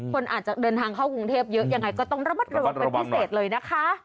คนอาจจะเดินทางเข้ากรุงเทพเยอะยังไงก็ต้องระมัดระวังเป็นพิเศษเลยนะคะ